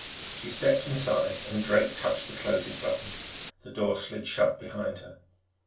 She stepped inside, and Drake touched the closing button. The door slid shut behind her.